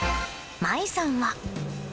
真衣さんは。